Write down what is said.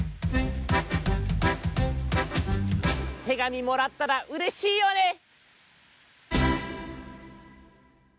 手紙もらったらうれしいよね！